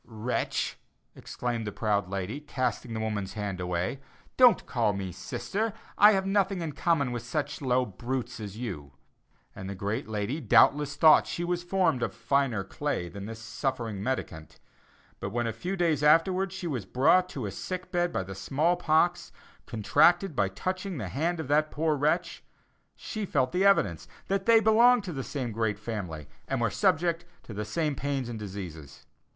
"Wretch!" exclaimed the proud lady, casting the woman's hand away; "Don't call me sister, I have nothing in common with such low brutes as you." And the great lady doubtless thought she was formed of finer clay than this suffering mendicant; but when a few days afterwards she was brought to a sick bed by the small pox, contracted by touching the hand of that poor wretch, she felt the evidence that they belonged to the same great family, and were subject to the same pains and diseases.